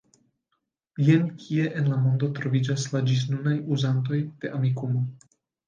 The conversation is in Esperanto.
Jen kie en la mondo troviĝas la ĝisnunaj uzantoj de Amikumu.